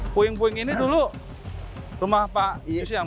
puing puing ini dulu rumah pak yusyam